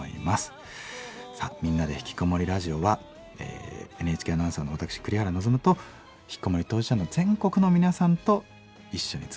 さあ「みんなでひきこもりラジオ」はＮＨＫアナウンサーの私栗原望とひきこもり当事者の全国の皆さんと一緒に作る番組です。